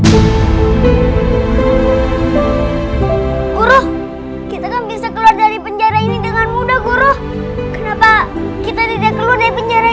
guru kita kan bisa keluar dari penjara ini dengan mudah guru kenapa kita tidak keluar dari penjara